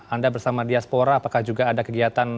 anda bersama diaspora apakah juga ada kegiatan